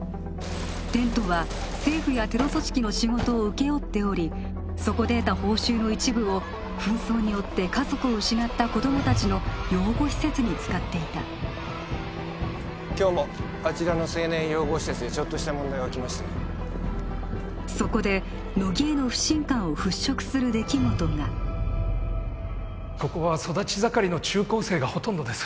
テントは政府やテロ組織の仕事を請け負っておりそこで得た報酬の一部を紛争によって家族を失った子供達の養護施設に使っていた今日もあちらの青年養護施設でちょっとした問題が起きましてそこで乃木への不信感を払拭する出来事がここは育ち盛りの中高生がほとんどです